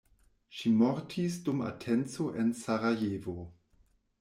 Ŝi mortis dum atenco en Sarajevo.